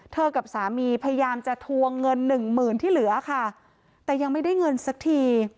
กับสามีพยายามจะทวงเงินหนึ่งหมื่นที่เหลือค่ะแต่ยังไม่ได้เงินสักที